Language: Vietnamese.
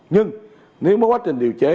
nhưng nếu mà quá trình điều chế